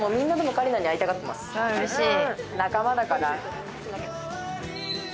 うれしい！